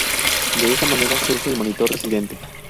De esta manera surge el monitor residente.